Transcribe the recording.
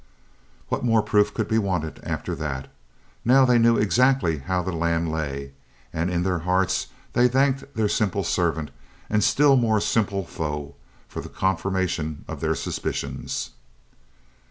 What more proof could be wanted after that? Now they knew exactly how the land lay, and in their hearts they thanked their simple servant and still more simple foe, for the confirmation of their suspicions.